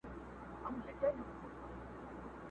نن به ریږدي د فرنګ د زوی ورنونه.!